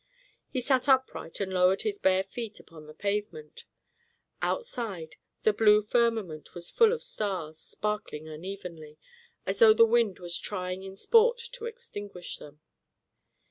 He sat upright and lowered his bare feet upon the pavement. Outside, the blue firmament was full of stars, sparkling unevenly, as though the wind was trying in sport to extinguish them.